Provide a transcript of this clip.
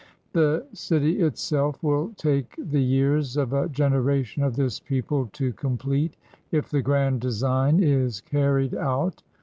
The city itself will take the years of a generation of this people to complete, if the grand design is carried out.